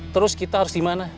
terus kita harus gimana